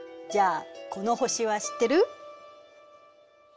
じゃあこの星は知ってる？